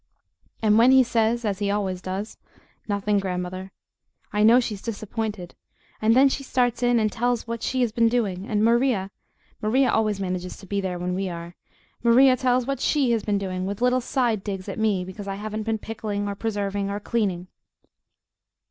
And when he says, as he always does, "Nothing, grandmother," I know she's disappointed, and then she starts in and tells what she has been doing, and Maria Maria always manages to be there when we are Maria tells what SHE has been doing, with little side digs at me because I haven't been pickling or preserving or cleaning.